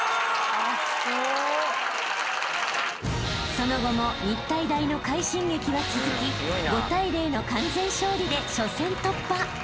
［その後も日体大の快進撃は続き５対０の完全勝利で初戦突破］